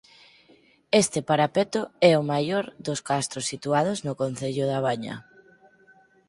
Este parapeto é o maior dos castros situados no concello da Baña.